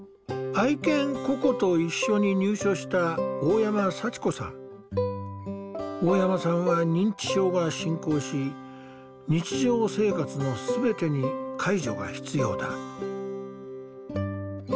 愛犬ココと一緒に入所した大山さんは認知症が進行し日常生活の全てに介助が必要だ。